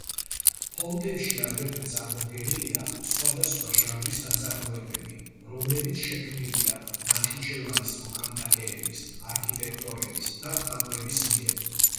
ფონდებში აგრეთვე წარმოდგენილია სხვადასხვა ჟანრის ნაწარმოებები, რომლებიც შექმნილია ნახიჩევანის მოქანდაკეების, არქიტექტორების და მხატვრების მიერ.